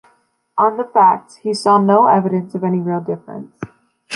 On the facts, he saw no evidence of any real difference.